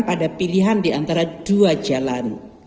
pada pilihan diantara dua jalan